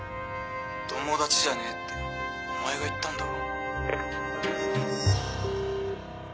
友達じゃねえってお前が言ったんだろ